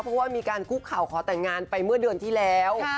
เพราะว่ามีการคุกเข่าขอแต่งงานไปเมื่อเดือนที่แล้ว